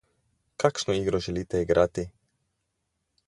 Kakšno igro želite igrati?